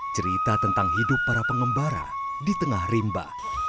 cerita tentang hidup para pengembara di tengah rimba